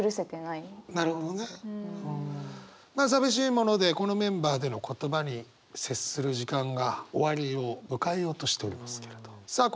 まあ寂しいものでこのメンバーでの言葉に接する時間が終わりを迎えようとしておりますけれどさあ